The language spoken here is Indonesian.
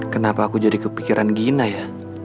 kenapa aku jadi kepikiran gina ya